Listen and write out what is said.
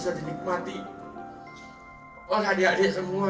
oh hadiah hadiah semua yang ada di sini